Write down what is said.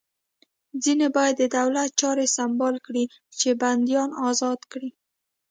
ځینې باید د دولت چارې سمبال کړي چې بندیان ازاد کړي